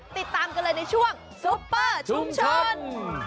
ติดตามกันเลยในช่วงซุปเปอร์ชุมชน